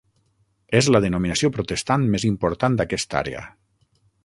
És la denominació protestant més important d'aquesta àrea.